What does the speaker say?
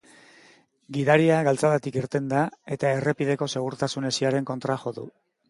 Gidaria galtzadatik irten da eta errepideko segurtasun hesiaren kontra jo du.